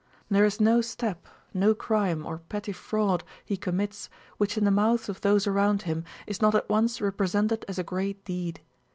There is no step, no crime or petty fraud he commits, which in the mouths of those around him is not at once represented as a great deed.